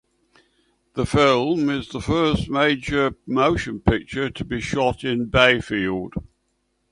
The film is the first major motion picture to be shot in Bayfield.